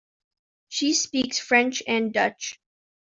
She speaks French and Dutch.